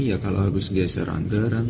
ya kalau harus geser anggaran